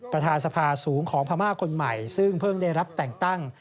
ประธานสภาสูงของพม่าคนใหม่ซึ่งเพิ่งได้รับแต่งตั้ง